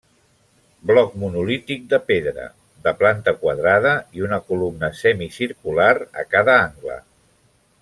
Bloc monolític de pedra, de planta quadrada i una columna semicircular a cada angle.